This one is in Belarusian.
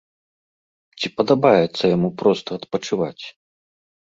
Ці падабаецца яму проста адпачываць?